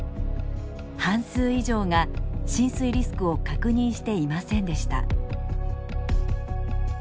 半数以上が浸水リスクを確認していませんでした。